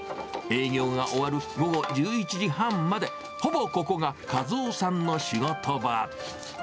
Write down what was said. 営業が終わる午後１１時半まで、ほぼここが和男さんの仕事場。